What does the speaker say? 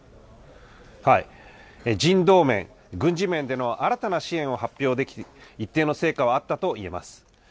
人道面、軍事面での新たな支援を発表でき、一定の成果はあったと言えます。